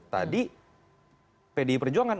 tadi pdi perjuangan